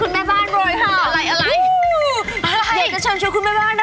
มากต้องเชื่อคุณแม่บ้านเลยค่ะ